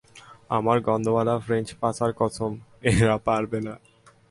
আমার গন্ধওয়ালা ফ্রেঞ্চ পাছার কসম, এরা পারবে না!